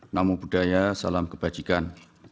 namo buddhaya salam kebajikan